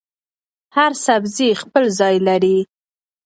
هر سبزي خپل ځای لري.